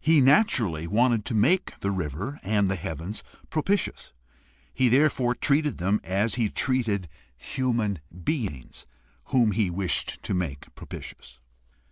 He naturally wanted to make the river and the heavens propitious. He therefore treated them as he treated human beings whom he wished to make propitious.